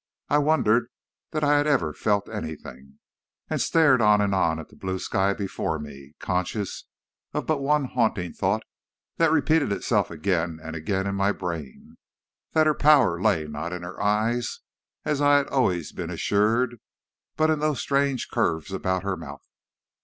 I wondered that I had ever felt anything, and stared on and on at the blue sky before me, conscious of but one haunting thought that repeated itself again and again in my brain that her power lay not in her eyes, as I had always been assured, but in those strange curves about her mouth.